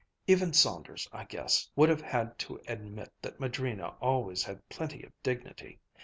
Even Saunders, I guess, would have had to admit that Madrina always had plenty of dignity.